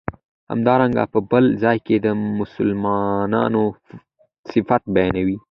همدارنګه په بل ځای کی د مسلمانو صفت بیانوی